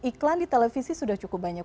iklan di televisi sudah cukup banyak